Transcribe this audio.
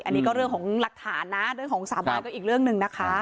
อันนี้ก็เรื่องของหลักฐานนะเรื่องของสาบานก็อีกเรื่องหนึ่งนะคะ